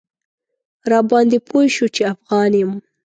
راباندې پوی شو چې افغان یم.